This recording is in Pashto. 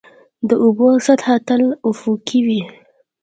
د اوبو سطحه تل افقي وي.